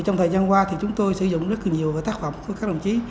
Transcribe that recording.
trong thời gian qua chúng tôi sử dụng rất nhiều tác phẩm của các đồng chí